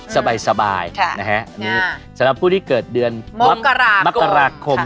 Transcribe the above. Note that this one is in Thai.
สบายนะฮะเบอร์สภาพพูดที่เกิดเดือนมกรากคม